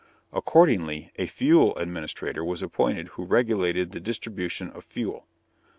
Accordingly a Fuel Administrator was appointed who regulated the distribution of fuel.